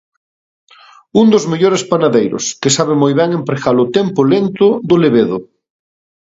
Un dos mellores panadeiros, que sabe moi ben empregar o tempo lento do levedo.